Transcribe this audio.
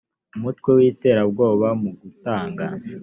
umutwe w iterabwoba mu gutanga